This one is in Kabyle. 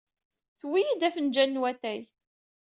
Tuwey-iyi-d afenjal n watay.